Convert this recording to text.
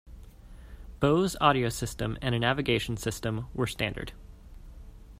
Bose audio system and a navigation system were standard.